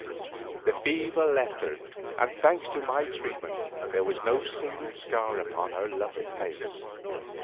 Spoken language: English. The fever left her, and thanks to my treatment, there was no single scar upon her lovely face.